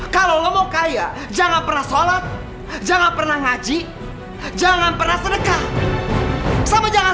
kalau ngomong kaya jangan pernah sholat jangan pernah ngaji jangan pernah sedekah sama jangan